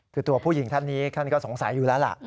คือตัวผู้หญิงท่านนี้ท่านก็สงสัยอยู่แล้วล่ะ